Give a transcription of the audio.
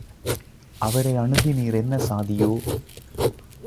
அவரை அணுகி நீர் என்ன சாதியோ?